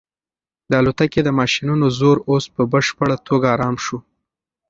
د الوتکې د ماشینونو زور اوس په بشپړه توګه ارام شو.